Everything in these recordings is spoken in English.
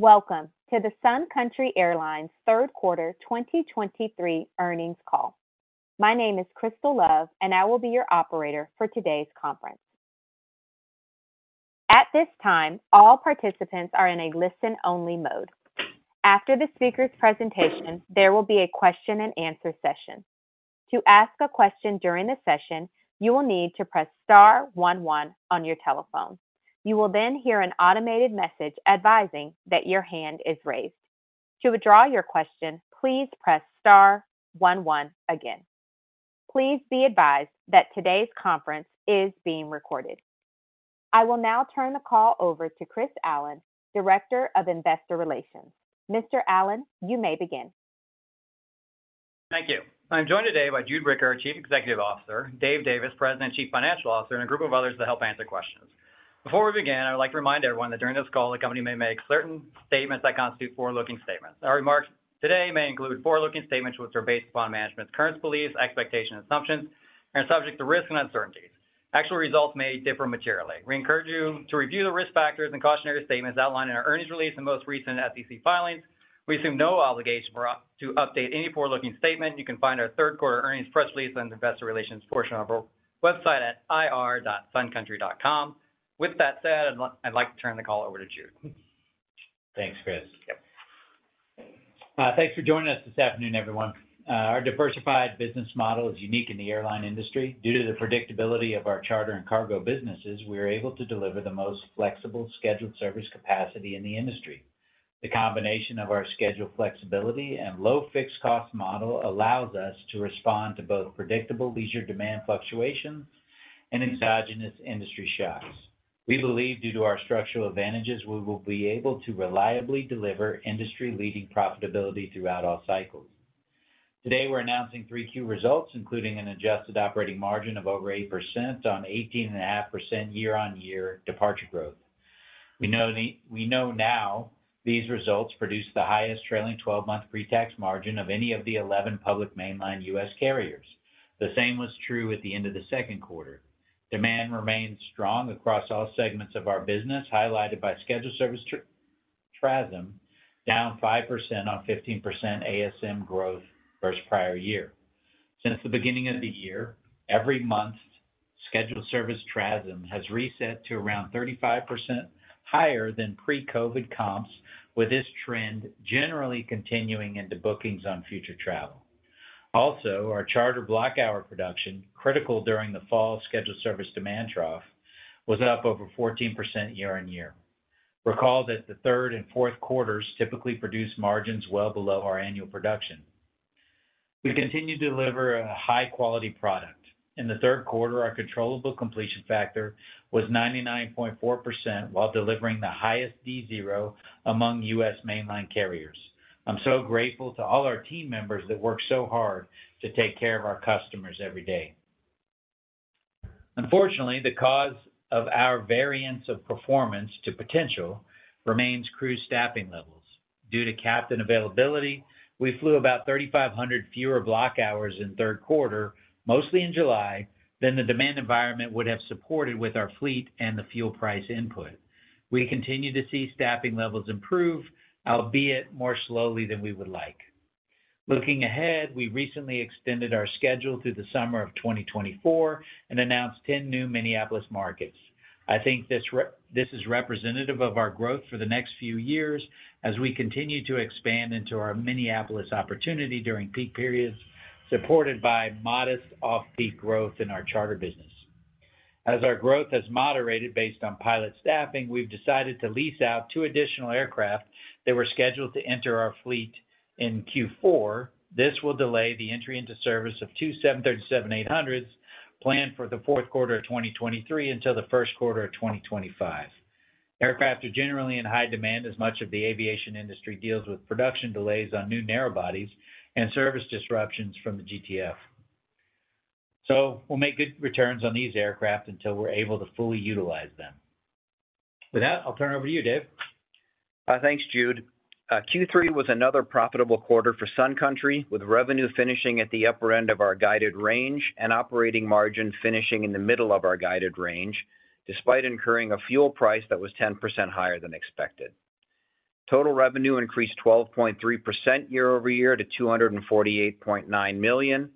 Welcome to the Sun Country Airlines Third Quarter 2023 Earnings Call. My name is Crystal Love, and I will be your operator for today's conference. At this time, all participants are in a listen-only mode. After the speaker's presentation, there will be a Q&A session. To ask a question during the session, you will need to press star one one on your telephone. You will then hear an automated message advising that your hand is raised. To withdraw your question, please press star one one again. Please be advised that today's conference is being recorded. I will now turn the call over to Chris Allen, Director of Investor Relations. Mr. Allen, you may begin. Thank you. I'm joined today by Jude Bricker, our Chief Executive Officer, Dave Davis, President and Chief Financial Officer, and a group of others to help answer questions. Before we begin, I would like to remind everyone that during this call, the company may make certain statements that constitute forward-looking statements. Our remarks today may include forward-looking statements, which are based upon management's current beliefs, expectations, assumptions, and are subject to risks and uncertainties. Actual results may differ materially. We encourage you to review the risk factors and cautionary statements outlined in our earnings release and most recent SEC filings. We assume no obligation to update any forward-looking statement. You can find our third-quarter earnings press release on the investor relations portion of our website at ir.suncountry.com. With that said, I'd like to turn the call over to Jude. Thanks, Chris. Yep. Thanks for joining us this afternoon, everyone. Our diversified business model is unique in the airline industry. Due to the predictability of our charter and cargo businesses, we are able to deliver the most flexible scheduled service capacity in the industry. The combination of our schedule flexibility and low fixed-cost model allows us to respond to both predictable leisure demand fluctuations and exogenous industry shocks. We believe due to our structural advantages, we will be able to reliably deliver industry-leading profitability throughout all cycles. Today, we're announcing three key results, including an adjusted operating margin of over 80% on 18.5% year-on-year departure growth. We know now these results produce the highest trailing twelve-month pre-tax margin of any of the 11 public mainline U.S. carriers. The same was true at the end of the second quarter. Demand remains strong across all segments of our business, highlighted by scheduled service TRASM, down 5% on 15% ASM growth versus prior year. Since the beginning of the year, every month, scheduled service TRASM has reset to around 35% higher than pre-COVID comps, with this trend generally continuing into bookings on future travel. Also, our charter block-hour production, critical during the fall of scheduled service demand trough, was up over 14% year-on-year. Recall that the third and fourth quarters typically produce margins well below our annual production. We continue to deliver a high-quality product. In the third quarter, our controllable completion factor was 99.4% while delivering the highest D0 among U.S. mainline carriers. I'm so grateful to all our team members that work so hard to take care of our customers every day. Unfortunately, the cause of our variance of performance to potential remains crew staffing levels. Due to captain availability, we flew about 3,500 fewer block hours in the third quarter, mostly in July, than the demand environment would have supported with our fleet and the fuel price input. We continue to see staffing levels improve, albeit more slowly than we would like. Looking ahead, we recently extended our schedule through the summer of 2024 and announced 10 new Minneapolis markets. I think this is representative of our growth for the next few years as we continue to expand into our Minneapolis opportunity during peak periods, supported by modest off-peak growth in our charter business. As our growth has moderated based on pilot staffing, we've decided to lease out two additional aircraft that were scheduled to enter our fleet in Q4. This will delay the entry into service of two 737-800s planned for the fourth quarter of 2023 until the first quarter of 2025. Aircraft are generally in high demand as much of the aviation industry deals with production delays on new narrow bodies and service disruptions from the GTF. So we'll make good returns on these aircraft until we're able to fully utilize them. With that, I'll turn it over to you, Dave. Thanks, Jude. Q3 was another profitable quarter for Sun Country, with revenue finishing at the upper end of our guided range and operating margin finishing in the middle of our guided range, despite incurring a fuel price that was 10% higher than expected. Total revenue increased 12.3% year-over-year to $248.9 million,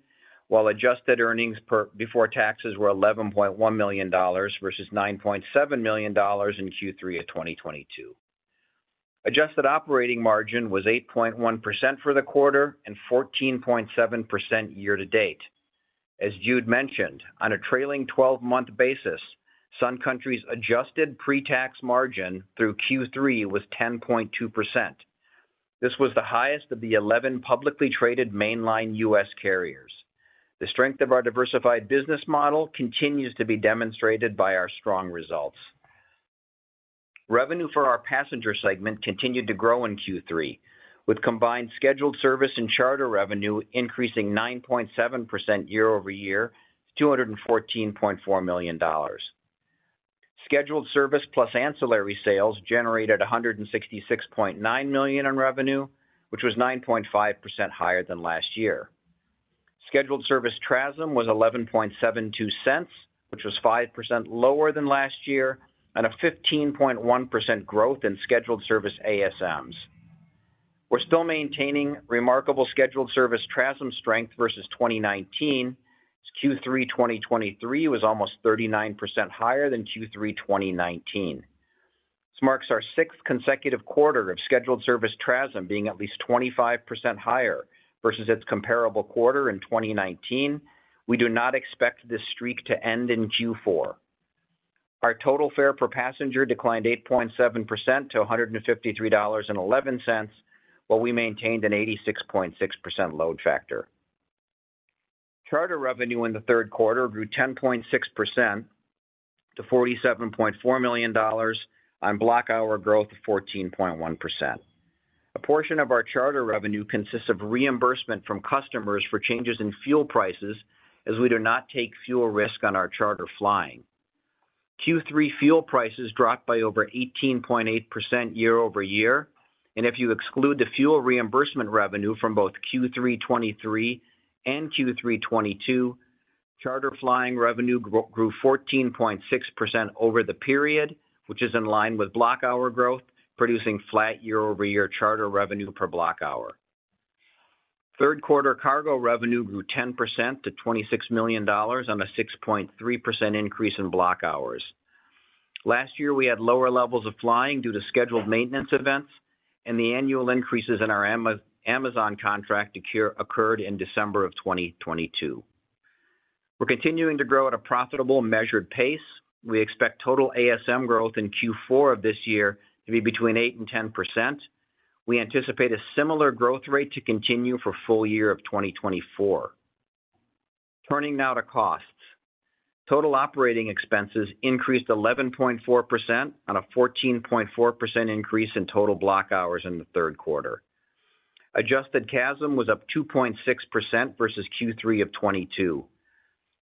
while adjusted earnings before taxes were $11.1 million versus $9.7 million in Q3 of 2022. Adjusted operating margin was 8.1% for the quarter and 14.7% year to date. As Jude mentioned, on a trailing twelve-month basis, Sun Country's adjusted pre-tax margin through Q3 was 10.2%. This was the highest of the 11 publicly traded mainline U.S. carriers. The strength of our diversified business model continues to be demonstrated by our strong results. Revenue for our passenger segment continued to grow in Q3, with combined scheduled service and charter revenue increasing 9.7% year-over-year to $214.4 million. Scheduled service plus ancillary sales generated $166.9 million in revenue, which was 9.5% higher than last year. Scheduled service TRASM was $0.1172, which was 5% lower than last year, and a 15.1% growth in scheduled service ASMs. We're still maintaining remarkable scheduled service TRASM strength versus 2019, as Q3 2023 was almost 39% higher than Q3 2019. This marks our sixth consecutive quarter of scheduled service TRASM being at least 25% higher versus its comparable quarter in 2019. We do not expect this streak to end in Q4. Our total fare per passenger declined 8.7% to $153.11, while we maintained an 86.6% load factor. Charter revenue in the third quarter grew 10.6% to $47.4 million on block hour growth of 14.1%. A portion of our charter revenue consists of reimbursement from customers for changes in fuel prices, as we do not take fuel risk on our charter flying. Q3 fuel prices dropped by over 18.8% year-over-year, and if you exclude the fuel reimbursement revenue from both Q3 2023 and Q3 2022, charter flying revenue grew 14.6% over the period, which is in line with block hour growth, producing flat year-over-year charter revenue per block hour. Third quarter cargo revenue grew 10% to $26 million on a 6.3% increase in block hours. Last year, we had lower levels of flying due to scheduled maintenance events, and the annual increases in our Amazon contract occurred in December of 2022. We're continuing to grow at a profitable, measured pace. We expect total ASM growth in Q4 of this year to be between 8% and 10%. We anticipate a similar growth rate to continue for full year of 2024. Turning now to costs. Total operating expenses increased 11.4% on a 14.4% increase in total block hours in the third quarter. Adjusted CASM was up 2.6% versus Q3 of 2022.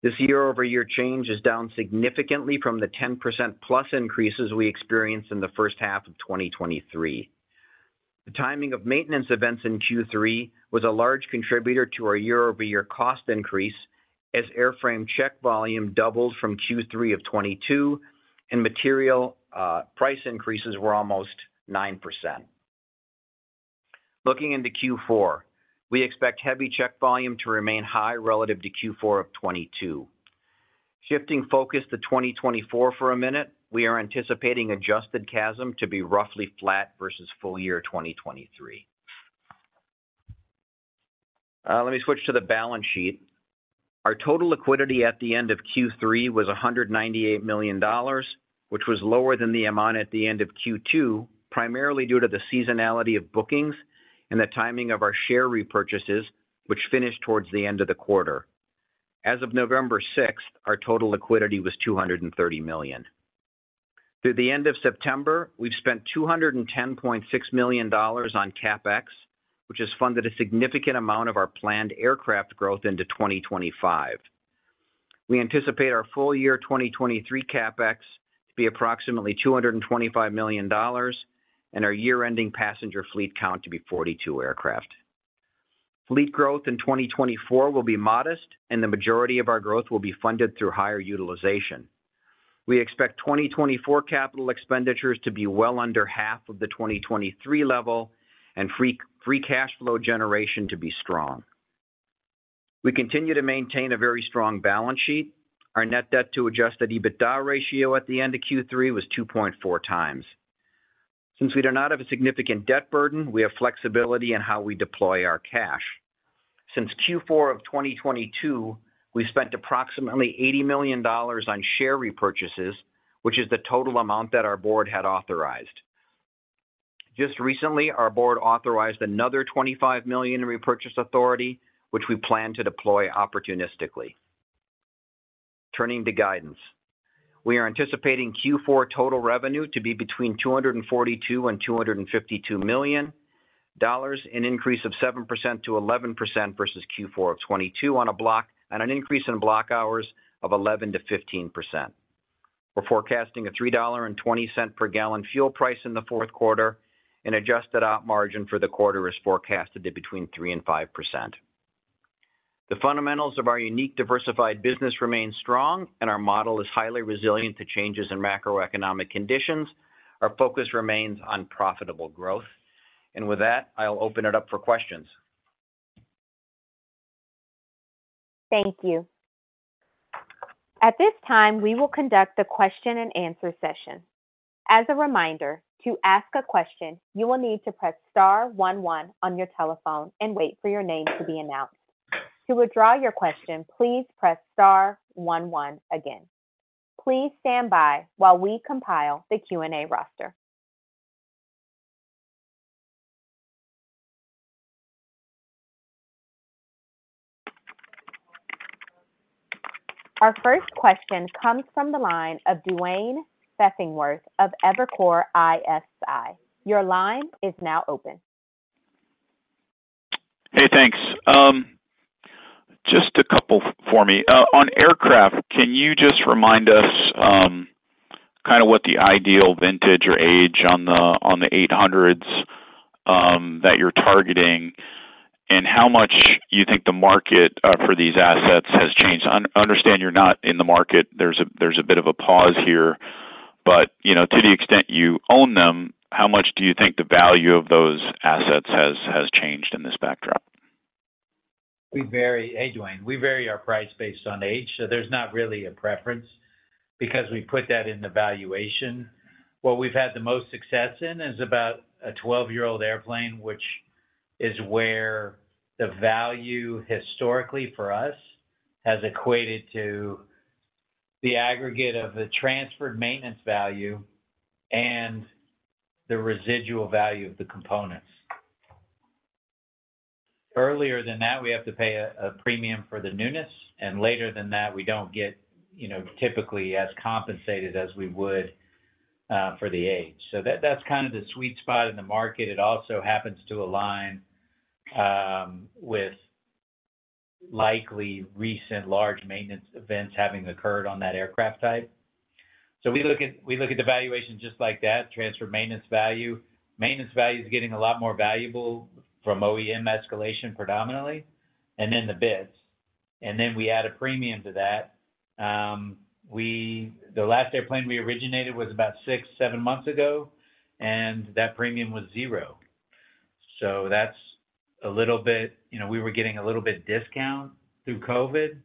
This year-over-year change is down significantly from the 10%+ increases we experienced in the first half of 2023. The timing of maintenance events in Q3 was a large contributor to our year-over-year cost increase, as airframe check volume doubled from Q3 of 2022, and material price increases were almost 9%. Looking into Q4, we expect heavy check volume to remain high relative to Q4 of 2022. Shifting focus to 2024 for a minute, we are anticipating adjusted CASM to be roughly flat versus full year 2023. Let me switch to the balance sheet. Our total liquidity at the end of Q3 was $198 million, which was lower than the amount at the end of Q2, primarily due to the seasonality of bookings and the timing of our share repurchases, which finished towards the end of the quarter. As of November 6th, our total liquidity was $230 million. Through the end of September, we've spent $210.6 million on CapEx, which has funded a significant amount of our planned aircraft growth into 2025. We anticipate our full year 2023 CapEx to be approximately $225 million, and our year-ending passenger fleet count to be 42 aircraft. Fleet growth in 2024 will be modest, and the majority of our growth will be funded through higher utilization. We expect 2024 capital expenditures to be well under half of the 2023 level and free cash flow generation to be strong. We continue to maintain a very strong balance sheet. Our net debt to adjusted EBITDA ratio at the end of Q3 was 2.4 times. Since we do not have a significant debt burden, we have flexibility in how we deploy our cash. Since Q4 of 2022, we spent approximately $80 million on share repurchases, which is the total amount that our board had authorized. Just recently, our board authorized another $25 million in repurchase authority, which we plan to deploy opportunistically. Turning to guidance. We are anticipating Q4 total revenue to be between $242 million and $252 million, an increase of 7%-11% versus Q4 of 2022 on a block hour basis and an increase in block hours of 11%-15%. We're forecasting a $3.20 per gallon fuel price in the fourth quarter, and adjusted operating margin for the quarter is forecasted to be between 3% and 5%. The fundamentals of our unique diversified business remain strong, and our model is highly resilient to changes in macroeconomic conditions. Our focus remains on profitable growth. With that, I'll open it up for questions. Thank you. At this time, we will conduct a question-and-answer session. As a reminder, to ask a question, you will need to press star one one on your telephone and wait for your name to be announced. To withdraw your question, please press star one one again. Please stand by while we compile the Q&A roster. Our first question comes from the line of Duane Pfennigwerth of Evercore ISI. Your line is now open. Hey, thanks. Just a couple for me. On aircraft, can you just remind us, kind of what the ideal vintage or age on the, on the 800s, that you're targeting, and how much you think the market, for these assets has changed? Understand you're not in the market. There's a bit of a pause here, but, you know, to the extent you own them, how much do you think the value of those assets has changed in this backdrop? We vary. Hey, Duane, we vary our price based on age, so there's not really a preference, because we put that in the valuation. What we've had the most success in is about a 12-year-old airplane, which is where the value historically for us has equated to the aggregate of the transferred maintenance value and the residual value of the components. Earlier than that, we have to pay a premium for the newness, and later than that, we don't get, you know, typically as compensated as we would for the age. So that's kind of the sweet spot in the market. It also happens to align with likely recent large maintenance events having occurred on that aircraft type. So we look at the valuation just like that, transfer maintenance value. Maintenance value is getting a lot more valuable from OEM escalation predominantly, and then the bids, and then we add a premium to that. The last airplane we originated was about six or seven months ago, and that premium was zero. So that's a little bit... You know, we were getting a little bit discount through COVID,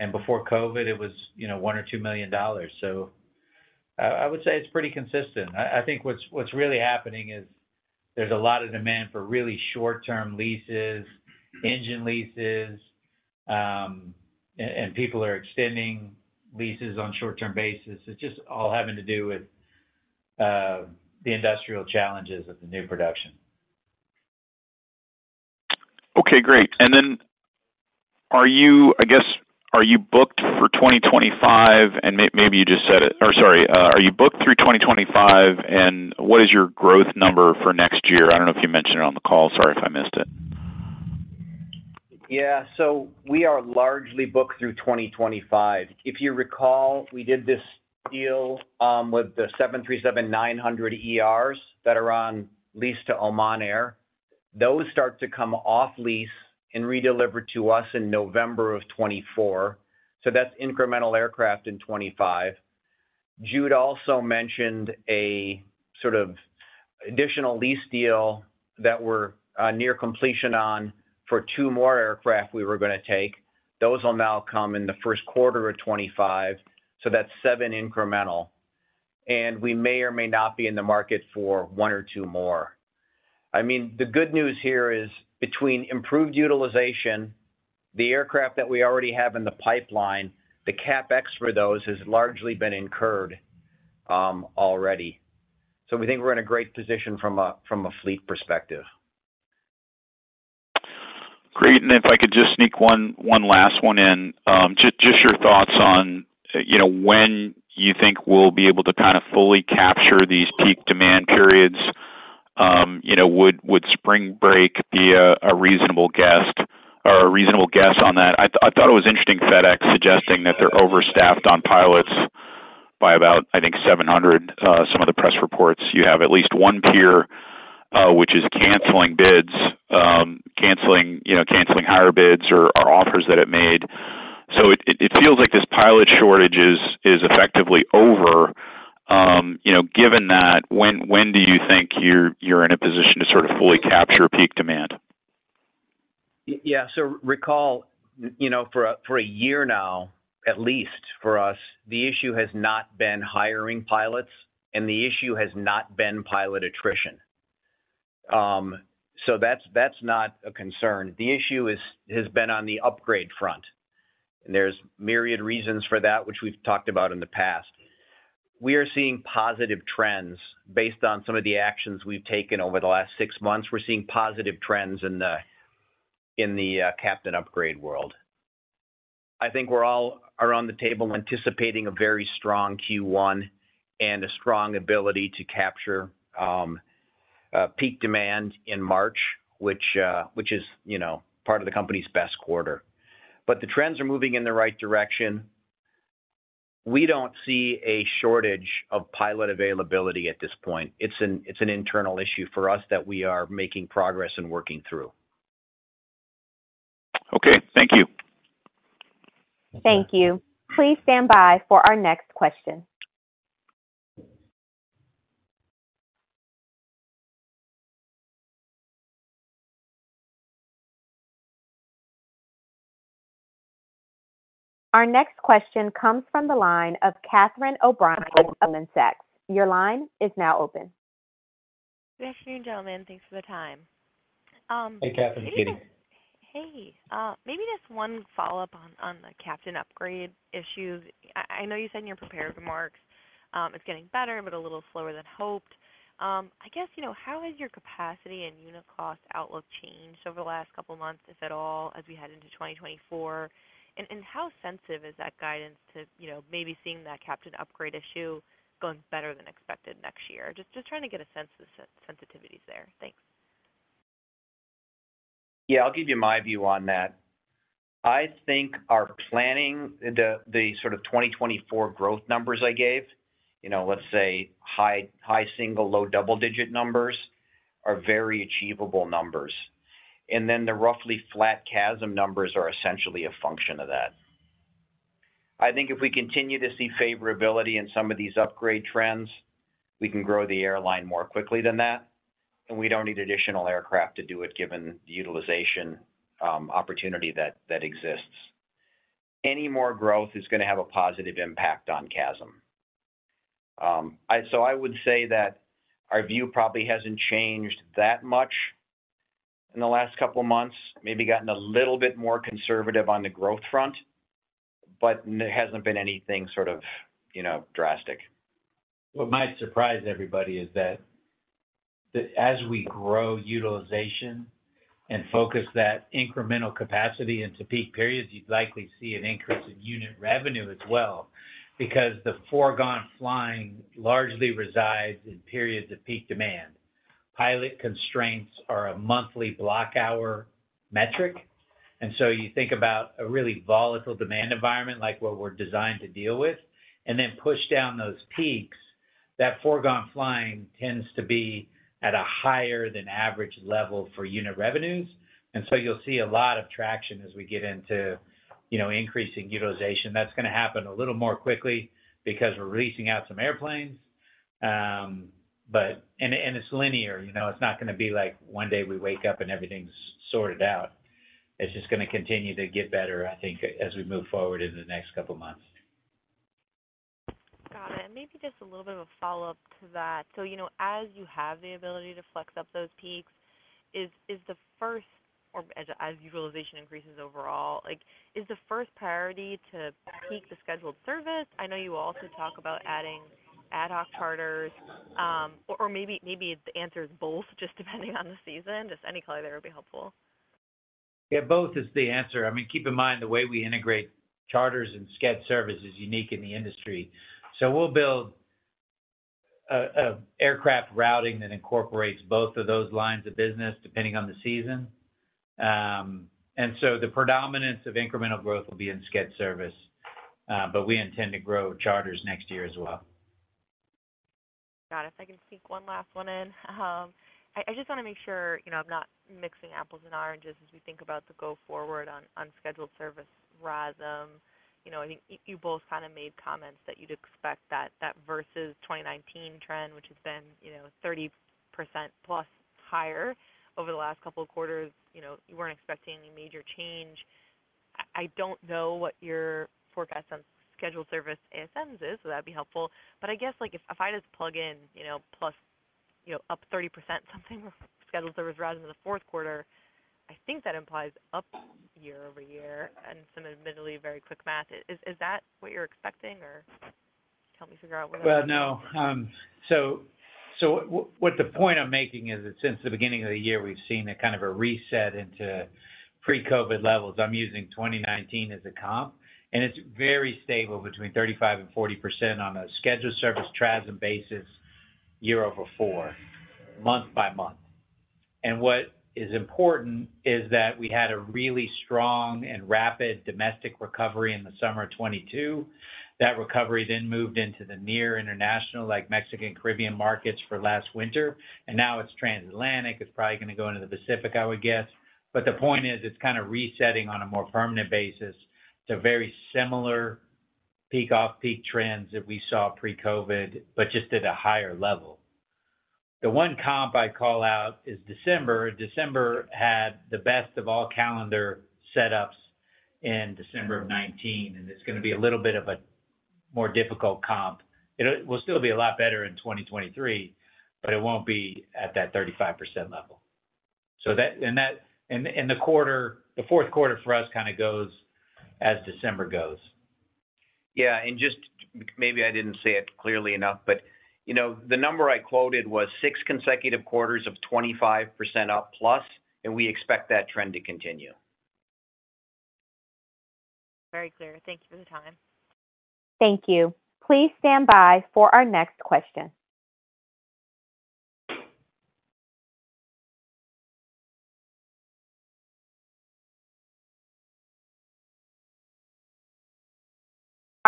and before COVID, it was, you know, $1 million-$2 million. So, I would say it's pretty consistent. I think what's really happening is there's a lot of demand for really short-term leases, engine leases, and people are extending leases on short-term basis. It's just all having to do with the industrial challenges of the new production. Okay, great. And then are you, I guess, are you booked for 2025? And maybe you just said it, or sorry, are you booked through 2025, and what is your growth number for next year? I don't know if you mentioned it on the call. Sorry if I missed it. Yeah. So we are largely booked through 2025. If you recall, we did this deal with the 737-900ERs that are on lease to Oman Air. Those start to come off lease and redelivered to us in November of 2024, so that's incremental aircraft in 2025. Jude also mentioned a sort of additional lease deal that we're near completion on for two more aircraft we were gonna take. Those will now come in the first quarter of 2025, so that's seven incremental, and we may or may not be in the market for one or two more. I mean, the good news here is between improved utilization, the aircraft that we already have in the pipeline, the CapEx for those has largely been incurred already. So we think we're in a great position from a fleet perspective. Great. If I could just sneak one last one in. Just your thoughts on, you know, when you think we'll be able to kind of fully capture these peak demand periods. You know, would spring break be a reasonable guess on that? I thought it was interesting, FedEx suggesting that they're overstaffed on pilots by about, I think, 700. Some of the press reports, you have at least one peer which is canceling bids, you know, canceling higher bids or offers that it made. So it feels like this pilot shortage is effectively over. You know, given that, when do you think you're in a position to sort of fully capture peak demand? Yeah. So recall, you know, for a year now, at least for us, the issue has not been hiring pilots, and the issue has not been pilot attrition. So that's not a concern. The issue has been on the upgrade front, and there's myriad reasons for that, which we've talked about in the past. We are seeing positive trends based on some of the actions we've taken over the last six months. We're seeing positive trends in the captain upgrade world. I think we're all around the table anticipating a very strong Q1 and a strong ability to capture peak demand in March, which is, you know, part of the company's best quarter. But the trends are moving in the right direction. We don't see a shortage of pilot availability at this point. It's an internal issue for us that we are making progress in working through. Okay, thank you. Thank you. Please stand by for our next question. Our next question comes from the line of Catherine O'Brien with Goldman Sachs. Your line is now open. Good afternoon, gentlemen. Thanks for the time. Hey, Catherine. Hey, maybe just one follow-up on the captain upgrade issue. I know you said in your prepared remarks, it's getting better, but a little slower than hoped. I guess, you know, how has your capacity and unit cost outlook changed over the last couple of months, if at all, as we head into 2024? And how sensitive is that guidance to, you know, maybe seeing that captain upgrade issue going better than expected next year? Just trying to get a sense of the sensitivities there. Thanks. Yeah, I'll give you my view on that. I think our planning, the sort of 2024 growth numbers I gave, you know, let's say high single, low double-digit numbers, are very achievable numbers. And then the roughly flat CASM numbers are essentially a function of that. I think if we continue to see favorability in some of these upgrade trends, we can grow the airline more quickly than that, and we don't need additional aircraft to do it, given the utilization opportunity that exists. Any more growth is gonna have a positive impact on CASM. So I would say that our view probably hasn't changed that much in the last couple of months, maybe gotten a little bit more conservative on the growth front, but there hasn't been anything sort of, you know, drastic. What might surprise everybody is that as we grow utilization and focus that incremental capacity into peak periods, you'd likely see an increase in unit revenue as well, because the foregone flying largely resides in periods of peak demand. Pilot constraints are a monthly block hour metric, and so you think about a really volatile demand environment like what we're designed to deal with, and then push down those peaks. That foregone flying tends to be at a higher than average level for unit revenues, and so you'll see a lot of traction as we get into, you know, increasing utilization. That's gonna happen a little more quickly because we're leasing out some airplanes. But it's linear, you know, it's not gonna be like one day we wake up and everything's sorted out. It's just gonna continue to get better, I think, as we move forward in the next couple of months. Got it. And maybe just a little bit of a follow-up to that. So, you know, as you have the ability to flex up those peaks, is the first, or as utilization increases overall, like, is the first priority to peak the scheduled service? I know you also talk about adding ad hoc charters, or maybe the answer is both, just depending on the season. Just any color there would be helpful. Yeah, both is the answer. I mean, keep in mind, the way we integrate charters and scheduled service is unique in the industry. So we'll build a aircraft routing that incorporates both of those lines of business, depending on the season. And so the predominance of incremental growth will be in scheduled service, but we intend to grow charters next year as well. Got it. If I can sneak one last one in. I just wanna make sure, you know, I'm not mixing apples and oranges as we think about the go forward on unscheduled service RASM. You know, I think you both kind of made comments that you'd expect that versus 2019 trend, which has been, you know, 30%+ higher over the last couple of quarters, you know, you weren't expecting any major change. I don't know what your forecast on scheduled service ASMs is, so that'd be helpful. But I guess, like, if I just plug in, you know, plus, you know, up 30% something scheduled service rather than the fourth quarter, I think that implies up year-over-year and some admittedly very quick math. Is that what you're expecting, or help me figure out what- Well, no. So what the point I'm making is that since the beginning of the year, we've seen a kind of a reset into pre-COVID levels. I'm using 2019 as a comp, and it's very stable between 35%-40% on a scheduled service TRASM basis, year-over-year, month-by-month. And what is important is that we had a really strong and rapid domestic recovery in the summer of 2022. That recovery then moved into the near international, like Mexican, Caribbean markets for last winter, and now it's transatlantic. It's probably gonna go into the Pacific, I would guess. But the point is, it's kind of resetting on a more permanent basis to very similar peak, off-peak trends that we saw pre-COVID, but just at a higher level. The one comp I'd call out is December. December had the best of all calendar setups in December of 2019, and it's gonna be a little bit of a more difficult comp. It'll, it will still be a lot better in 2023, but it won't be at that 35% level. So that. And that, and the quarter, the fourth quarter for us kind of goes as December goes. Yeah, and just maybe I didn't say it clearly enough, but, you know, the number I quoted was six consecutive quarters of 25% up plus, and we expect that trend to continue. Very clear. Thank you for the time. Thank you. Please stand by for our next question.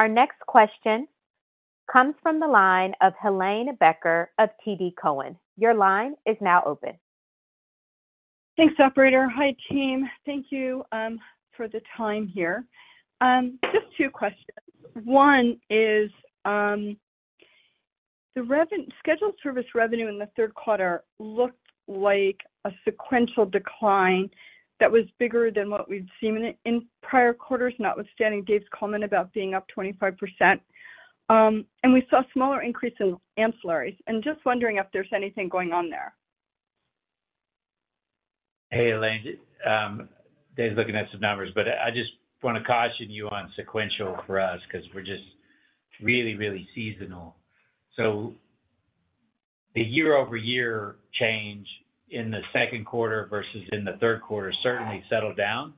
Our next question comes from the line of Helane Becker of TD Cowen. Your line is now open. Thanks, operator. Hi, team. Thank you for the time here. Just two questions. One is the scheduled service revenue in the third quarter looked like a sequential decline that was bigger than what we've seen in prior quarters, notwithstanding Dave's comment about being up 25%. And we saw a smaller increase in ancillaries, and just wondering if there's anything going on there. Hey, Helane. Dave's looking at some numbers, but I just wanna caution you on sequential for us, because we're just really, really seasonal. So the year-over-year change in the second quarter versus in the third quarter certainly settled down.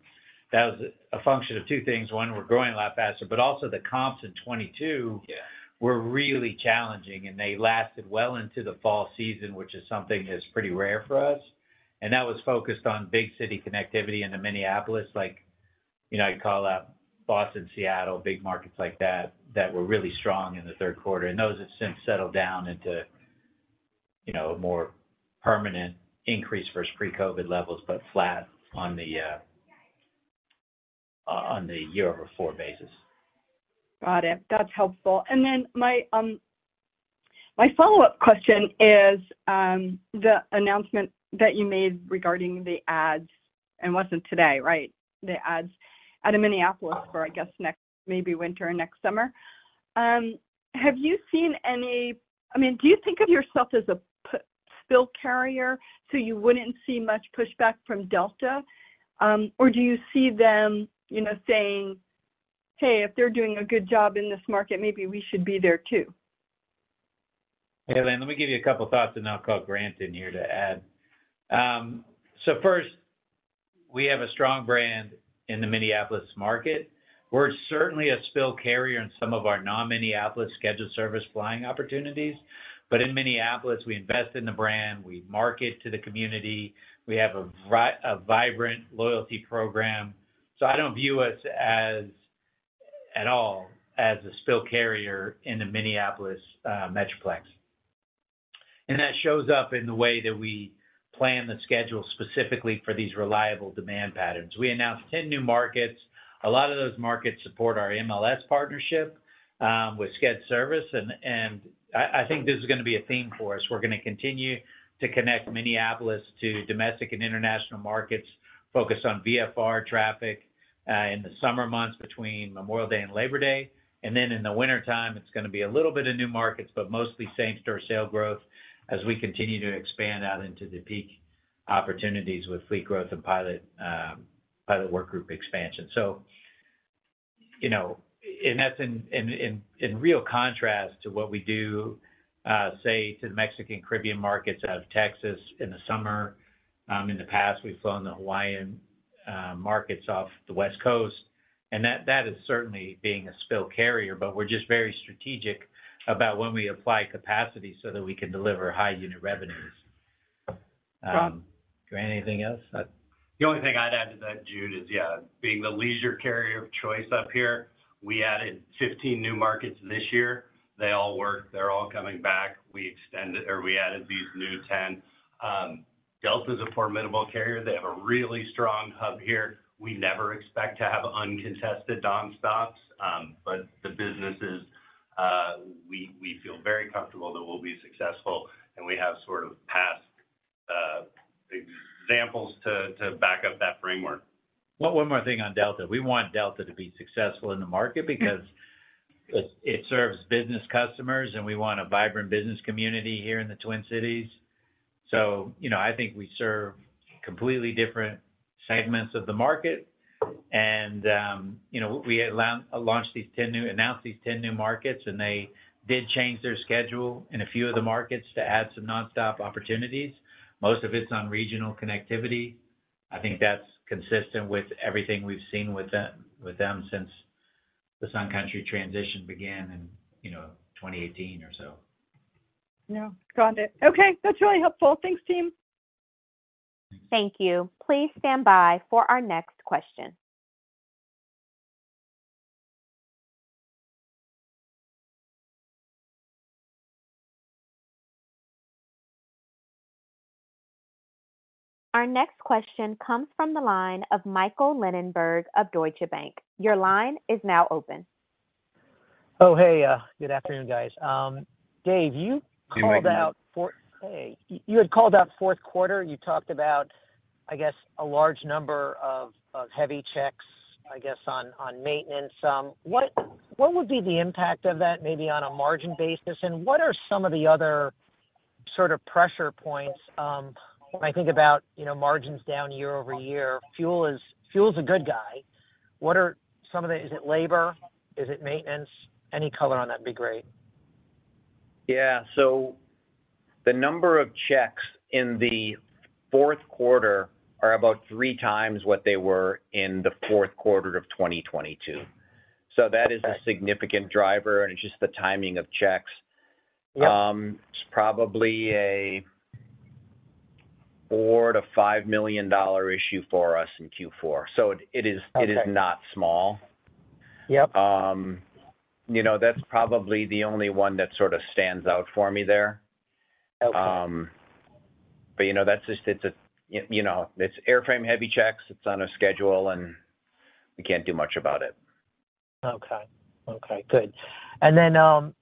That was a function of two things: One, we're growing a lot faster, but also the comps in 2022- Yeah... were really challenging, and they lasted well into the fall season, which is something that's pretty rare for us. And that was focused on big city connectivity into Minneapolis, like, you know, I'd call out Boston, Seattle, big markets like that, that were really strong in the third quarter, and those have since settled down into, you know, a more permanent increase versus pre-COVID levels, but flat on the, on the year-over-four basis. Got it. That's helpful. And then my follow-up question is, the announcement that you made regarding the adds, and it wasn't today, right? The adds out of Minneapolis for, I guess, next, maybe winter or next summer. Have you seen any? I mean, do you think of yourself as a spillover carrier, so you wouldn't see much pushback from Delta? Or do you see them, you know, saying, "Hey, if they're doing a good job in this market, maybe we should be there, too? Hey, Helane, let me give you a couple of thoughts, and then I'll call Grant in here to add. So first, we have a strong brand in the Minneapolis market. We're certainly a spill carrier in some of our non-Minneapolis scheduled service flying opportunities. But in Minneapolis, we invest in the brand, we market to the community, we have a vibrant loyalty program. So I don't view us as, at all, as a spill carrier in the Minneapolis metroplex. And that shows up in the way that we plan the schedule specifically for these reliable demand patterns. We announced 10 new markets. A lot of those markets support our MLS partnership with scheduled service, and, and I, I think this is gonna be a theme for us. We're gonna continue to connect Minneapolis to domestic and international markets, focus on VFR traffic in the summer months between Memorial Day and Labor Day. And then in the wintertime, it's gonna be a little bit of new markets, but mostly same-store sale growth as we continue to expand out into the peak opportunities with fleet growth and pilot pilot work group expansion. So, you know, and that's in real contrast to what we do, say, to the Mexican Caribbean markets out of Texas in the summer. In the past, we've flown the Hawaiian markets off the West Coast, and that is certainly being a spill carrier, but we're just very strategic about when we apply capacity so that we can deliver high unit revenues. Grant, anything else? The only thing I'd add to that, Jude, is, yeah, being the leisure carrier of choice up here, we added 15 new markets this year. They all work. They're all coming back. We extended, or we added these new 10. Delta is a formidable carrier. They have a really strong hub here. We never expect to have uncontested non-stops, but the businesses, we feel very comfortable that we'll be successful, and we have sort of past examples to back up that framework. One more thing on Delta. We want Delta to be successful in the market because it serves business customers, and we want a vibrant business community here in the Twin Cities. So, you know, I think we serve completely different segments of the market. And, you know, we announced these 10 new markets, and they did change their schedule in a few of the markets to add some nonstop opportunities. Most of it's on regional connectivity. I think that's consistent with everything we've seen with them since the Sun Country transition began in, you know, 2018 or so. Yeah, got it. Okay, that's really helpful. Thanks, team. Thank you. Please stand by for our next question. Our next question comes from the line of Michael Linenberg of Deutsche Bank. Your line is now open. Oh, hey, good afternoon, guys. Dave, you called out- Hey, Michael. Hey, you had called out fourth quarter. You talked about, I guess, a large number of heavy checks, I guess, on maintenance. What would be the impact of that, maybe on a margin basis? And what are some of the other sort of pressure points, when I think about, you know, margins down year-over-year? Fuel is a good guy. What are some of the... Is it labor? Is it maintenance? Any color on that'd be great. Yeah. So the number of checks in the fourth quarter are about 3 times what they were in the fourth quarter of 2022. Okay. That is a significant driver, and it's just the timing of checks. Yep. It's probably a $4 million-$5 million issue for us in Q4, so it is- Okay. It is not small. Yep. You know, that's probably the only one that sort of stands out for me there. But, you know, that's just, you know, it's airframe-heavy checks. It's on a schedule, and we can't do much about it. Okay. Okay, good. And then,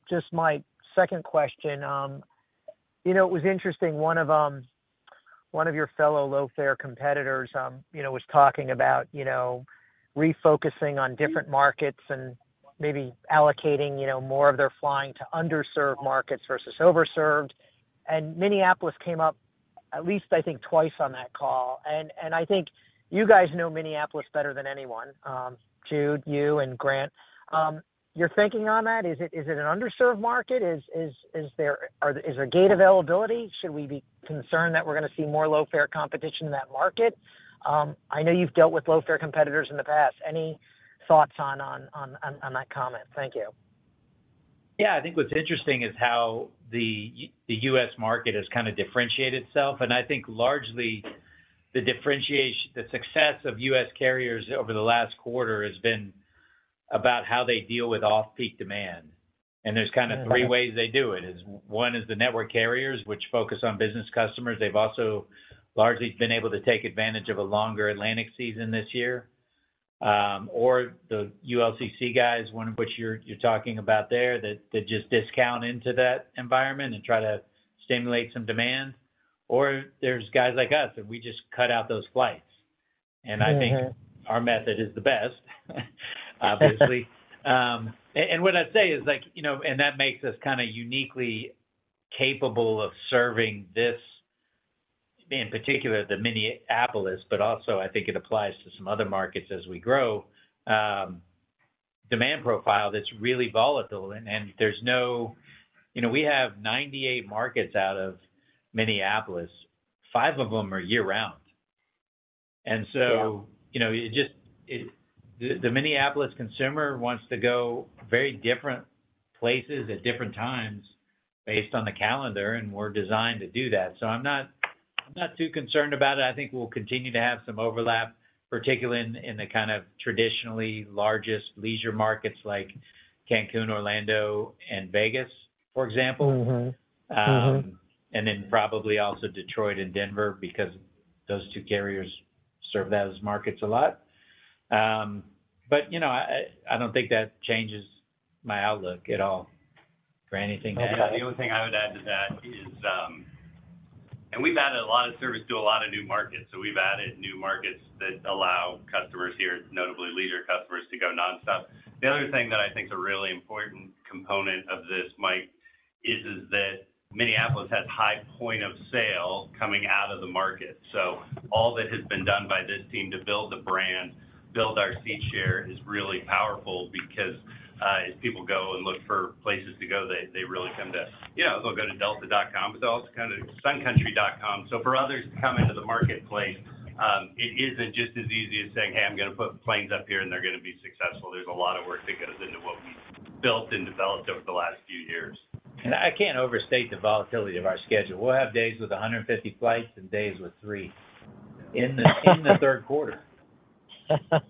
just my second question, you know, it was interesting, one of, one of your fellow low-fare competitors, you know, was talking about, you know, refocusing on different markets and maybe allocating, you know, more of their flying to under-served markets versus over-served, and Minneapolis came up at least, I think, twice on that call, and I think you guys know Minneapolis better than anyone, Jude, you and Grant. Your thinking on that, is it an under-served market? Is there gate availability? Should we be concerned that we're gonna see more low-fare competition in that market? I know you've dealt with low-fare competitors in the past. Any thoughts on that comment? Thank you. Yeah, I think what's interesting is how the U.S. market has kind of differentiated itself. I think largely the success of U.S. carriers over the last quarter has been about how they deal with off-peak demand. There's kind of three ways they do it. One is the network carriers, which focus on business customers. They've also largely been able to take advantage of a longer Atlantic season this year, or the ULCC guys, one of which you're talking about there, that just discount into that environment and try to stimulate some demand. Or there's guys like us, and we just cut out those flights. Mm-hmm. I think our method is the best, obviously. And what I'd say is like, you know, and that makes us kind of uniquely capable of serving this, in particular, the Minneapolis, but also I think it applies to some other markets as we grow, demand profile that's really volatile. And there's no, you know, we have 98 markets out of Minneapolis, five of them are year-round. Yeah. And so, you know, the Minneapolis consumer wants to go very different places at different times based on the calendar, and we're designed to do that. So I'm not, I'm not too concerned about it. I think we'll continue to have some overlap, particularly in the kind of traditionally largest leisure markets like Cancún, Orlando, and Vegas, for example. Mm-hmm. Mm-hmm. And then probably also Detroit and Denver, because those two carriers serve those markets a lot. But, you know, I don't think that changes my outlook at all for anything. Okay. The only thing I would add to that is, And we've added a lot of service to a lot of new markets, so we've added new markets that allow customers here, notably leisure customers, to go nonstop. The other thing that I think is a really important component of this, Mike, is, is that Minneapolis has high point of sale coming out of the market. So all that has been done by this team to build the brand, build our seat share, is really powerful because, as people go and look for places to go, they, they really come to... You know, they'll go to delta.com, but they'll also kind of suncountry.com. So for others to come into the marketplace, it isn't just as easy as saying, "Hey, I'm gonna put planes up here, and they're gonna be successful." There's a lot of work that goes into what we've built and developed over the last few years. I can't overstate the volatility of our schedule. We'll have days with 150 flights and days with 3 in the third quarter.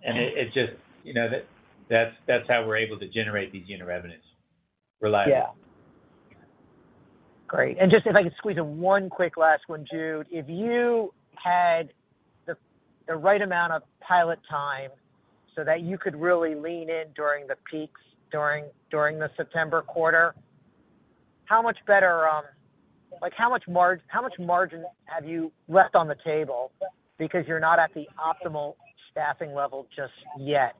It just, you know, that's how we're able to generate these unit revenues, reliably. Yeah. Great. And just if I could squeeze in one quick last one, Jude, if you had the right amount of pilot time so that you could really lean in during the peaks, during the September quarter, how much better? Like, how much margin have you left on the table because you're not at the optimal staffing level just yet?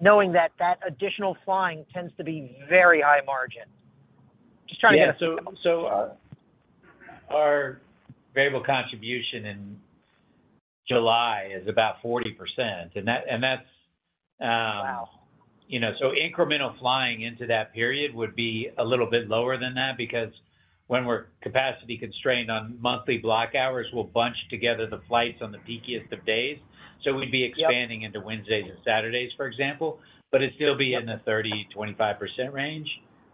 Knowing that additional flying tends to be very high margin. Just trying to get- Yeah, so, our variable contribution in July is about 40%, and that's- Wow! You know, so incremental flying into that period would be a little bit lower than that, because when we're capacity constrained on monthly block hours, we'll bunch together the flights on the peakiest of days. Yep. We'd be expanding into Wednesdays and Saturdays, for example, but it'd still be in the 25%-30% range.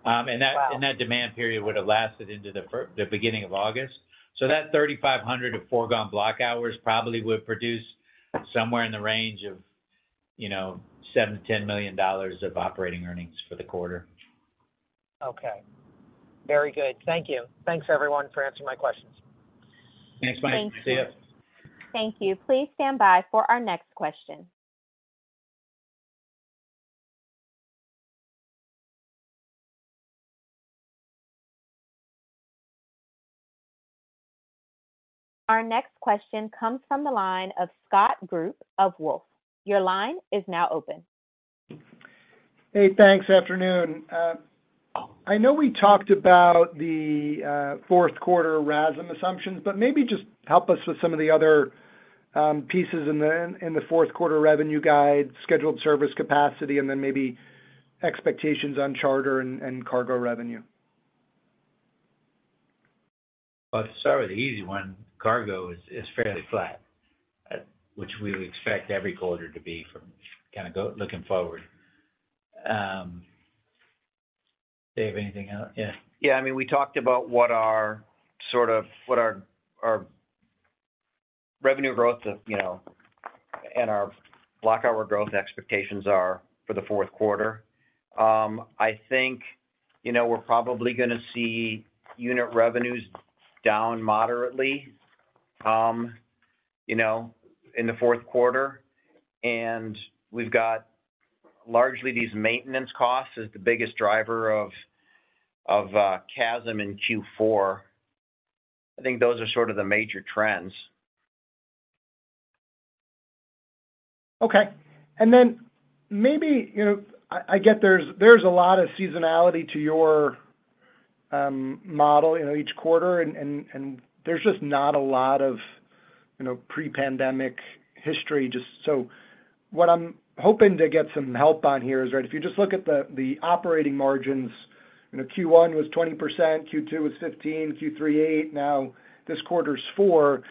Wow! And that demand period would have lasted into the beginning of August. So that 3,500 of foregone block hours probably would produce somewhere in the range of, you know, $7 million-$10 million of operating earnings for the quarter. Okay. Very good. Thank you. Thanks, everyone, for answering my questions. Thanks, Mike. Thanks. See you. Thank you. Please stand by for our next question. Our next question comes from the line of Scott Group of Wolfe. Your line is now open. Hey, thanks. Afternoon. I know we talked about the fourth quarter RASM assumptions, but maybe just help us with some of the other pieces in the fourth quarter revenue guide, scheduled service capacity, and then maybe expectations on charter and cargo revenue? Well, sorry, the easy one, cargo is fairly flat, which we would expect every quarter to be from kind of looking forward. Dave, anything else? Yeah. Yeah, I mean, we talked about what our revenue growth is, you know, and our block hour growth expectations are for the fourth quarter. I think, you know, we're probably gonna see unit revenues down moderately, you know, in the fourth quarter. And we've got largely these maintenance costs as the biggest driver of CASM in Q4. I think those are sort of the major trends. Okay. And then maybe, you know, I get there's a lot of seasonality to your model, you know, each quarter, and there's just not a lot of, you know, pre-pandemic history. Just so what I'm hoping to get some help on here is, right, if you just look at the operating margins, you know, Q1 was 20%, Q2 was 15%, Q3 8%, now this quarter's 4%.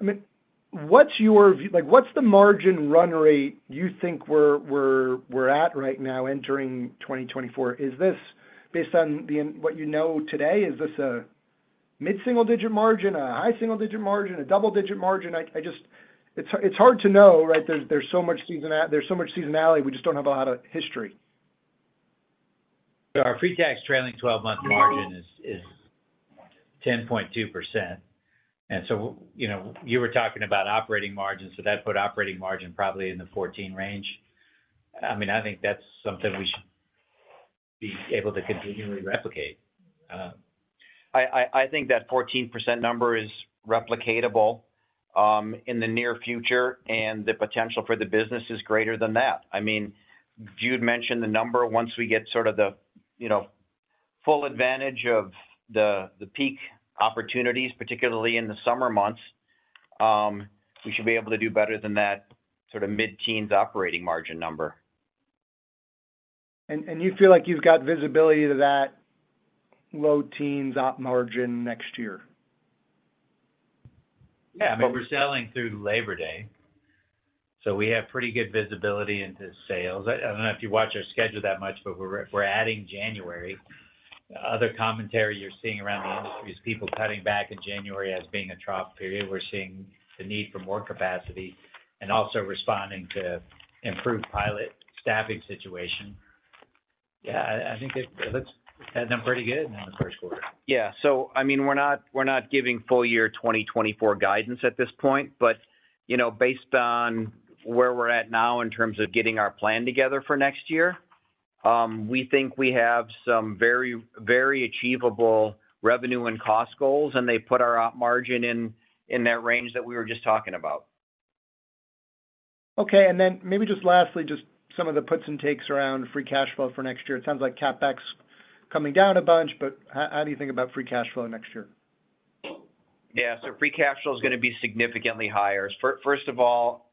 I mean, what's your view? Like, what's the margin run rate you think we're at right now entering 2024? Is this based on what you know today, is this a mid-single-digit margin, a high single-digit margin, a double-digit margin? I just—It's hard to know, right? There's so much seasonality, we just don't have a lot of history. Our pre-tax trailing 12-month margin is 10.2%. And so, you know, you were talking about operating margins, so that put operating margin probably in the 14 range. I mean, I think that's something we should be able to continually replicate. I think that 14% number is replicatable, in the near future, and the potential for the business is greater than that. I mean, Jude mentioned the number, once we get sort of the, you know, full advantage of the peak opportunities, particularly in the summer months, we should be able to do better than that sort of mid-teens operating margin number. And you feel like you've got visibility to that low teens op margin next year? Yeah, but we're selling through Labor Day, so we have pretty good visibility into sales. I don't know if you watch our schedule that much, but we're adding January. Other commentary you're seeing around the industry is people cutting back in January as being a trough period. We're seeing the need for more capacity and also responding to improved pilot staffing situation. Yeah, I think it looks has been pretty good in the first quarter. Yeah. So I mean, we're not, we're not giving full year 2024 guidance at this point, but, you know, based on where we're at now in terms of getting our plan together for next year, we think we have some very, very achievable revenue and cost goals, and they put our op margin in, in that range that we were just talking about. Okay, and then maybe just lastly, just some of the puts and takes around free cash flow for next year. It sounds like CapEx coming down a bunch, but how, how do you think about free cash flow next year? Yeah, so free cash flow is going to be significantly higher. First of all,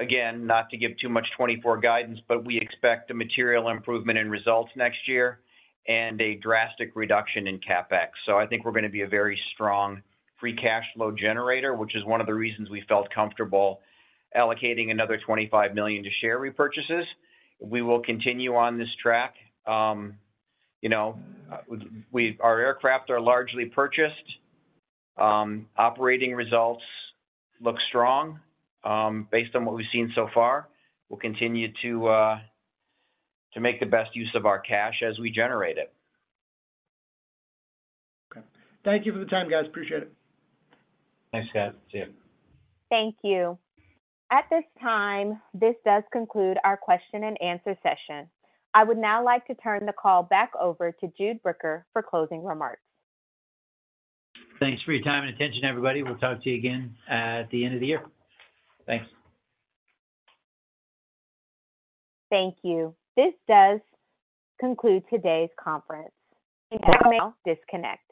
again, not to give too much 2024 guidance, but we expect a material improvement in results next year and a drastic reduction in CapEx. So I think we're going to be a very strong free cash flow generator, which is one of the reasons we felt comfortable allocating another $25 million to share repurchases. We will continue on this track. You know, our aircraft are largely purchased. Operating results look strong based on what we've seen so far. We'll continue to make the best use of our cash as we generate it. Okay. Thank you for the time, guys. Appreciate it. Thanks, Scott. See you. Thank you. At this time, this does conclude our Q&A session. I would now like to turn the call back over to Jude Bricker for closing remarks. Thanks for your time and attention, everybody. We'll talk to you again at the end of the year. Thanks. Thank you. This does conclude today's conference. You may now disconnect.